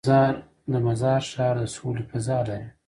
د مزار ښار د سولې فضا لري.